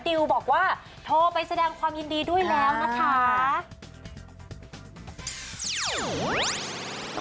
ติวบอกว่าโทรไปแสดงความยินดีด้วยแล้วนะคะ